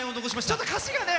ちょっと歌詞がね。